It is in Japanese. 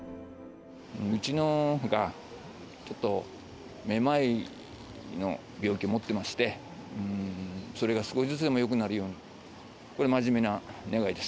うちのが、ちょっとめまいの病気持ってまして、それが少しずつでもよくなるように、これ、真面目な願いです。